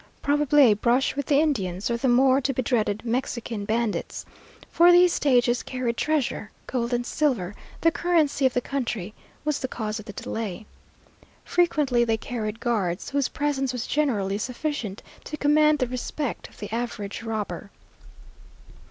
Probably a brush with the Indians, or the more to be dreaded Mexican bandits (for these stages carried treasure gold and silver, the currency of the country), was the cause of the delay. Frequently they carried guards, whose presence was generally sufficient to command the respect of the average robber.